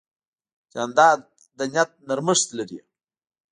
جانداد د نیت نرمښت لري.